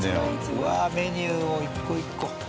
うわあメニューを一個一個。